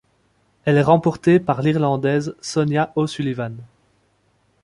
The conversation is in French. Elle est remportée par l'Irlandaise Sonia O'Sullivan.